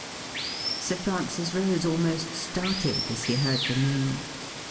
Sir Francis Rose almost started as he heard the name.